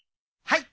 はい！